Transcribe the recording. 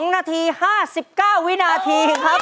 ๒นาที๕๙วินาทีครับ